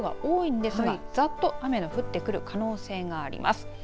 今、晴れている所が多いんですがざっと雨の降ってくる可能性があります。